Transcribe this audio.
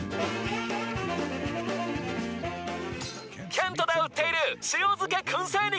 「ケントで売っている塩漬け薫製肉！」